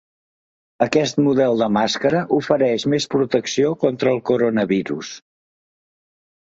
Aquest model de màscara ofereix més protecció contra el coronavirus.